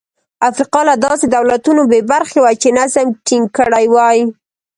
افریقا له داسې دولتونو بې برخې وه چې نظم ټینګ کړي وای.